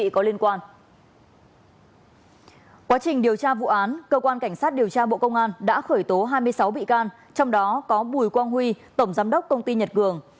cơ quan cảnh sát điều tra bộ công an đã khởi tố hai mươi sáu bị can trong đó có bùi quang huy tổng giám đốc công ty nhật cường